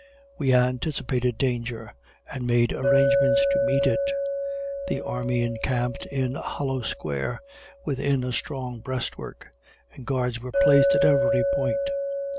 We anticipated danger, and made arrangements to meet it. The army encamped in a hollow square, within a strong breastwork, and guards were placed at every point.